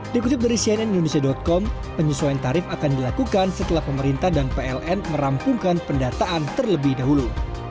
dikutip dari cnn indonesia com penyesuaian tarif akan dilakukan setelah pemerintah dan pln merampungkan pendataan terlebih dahulu